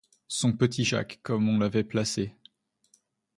Son petit Jacques, comme on l'avait placé!